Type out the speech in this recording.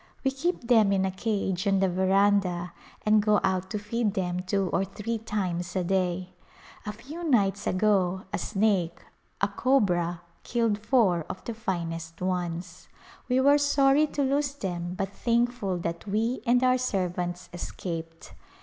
We keep them in a cage on the veranda and go out to feed them two or three times a day. A few nights ago a snake — a cobra — killed four of the finest ones. We were sorry to lose them but thankful that we and our servants escaped.